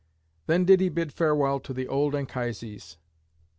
Then did he bid farewell to the old Anchises.